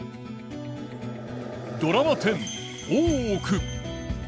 ドラマ１０「大奥」。